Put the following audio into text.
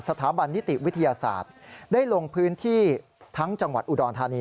สถาบันนิติวิทยาศาสตร์ได้ลงพื้นที่ทั้งจังหวัดอุดรธานี